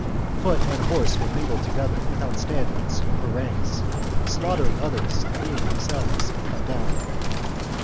Foot and horse were mingled together without standards or ranks, slaughtering others and being themselves cut down.